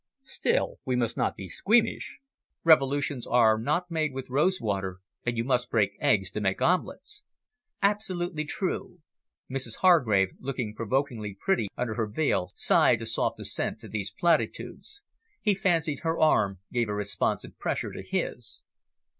"Still, we must not be squeamish. Revolutions are not made with rose water, and you must break eggs to make omelettes." "Absolutely true." Mrs Hargrave, looking provokingly pretty under her veil, sighed a soft assent to these platitudes. He fancied her arm gave a responsive pressure to his.